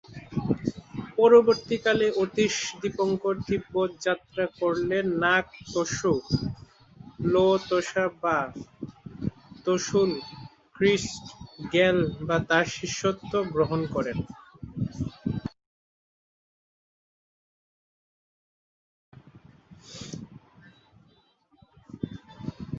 পরবর্তীকালে অতীশ দীপঙ্কর তিব্বত যাত্রা করলে নাগ-ত্শো-লো-ত্সা-বা-ত্শুল-খ্রিম্স-র্গ্যাল-বা তার শিষ্যত্ব গ্রহণ করেন।